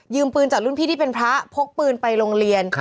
ปืนจากรุ่นพี่ที่เป็นพระพกปืนไปโรงเรียน